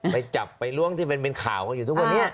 ไปจับไปล้วงที่เป็นข่าวอยู่ทุกคน